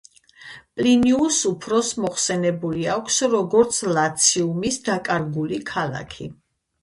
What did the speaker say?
პლინიუს უფროსს მოხსენებული აქვს როგორც ლაციუმის დაკარგული ქალაქი.